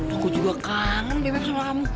aku juga kangen bebek sama kamu